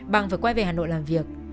bằng vừa quay về hà nội làm việc